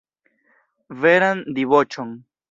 Veran diboĉon!